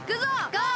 ゴー！